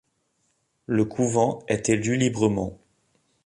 Le couvent est élu librement.